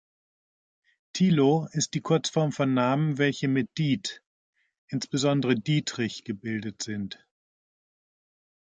Thilo ist die Kurzform von Namen, welche mit "Diet", insbesondere Dietrich, gebildet sind.